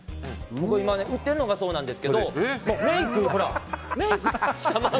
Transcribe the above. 今、打っているのがそうなんですけど。